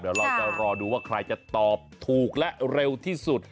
เดี๋ยวเราจะรอดูว่าใครจะตอบถูกและเร็วที่สุด